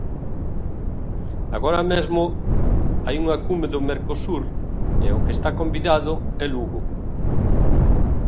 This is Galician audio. Agora mesmo hai unha cume do Mercosur e o que está convidado é Lugo.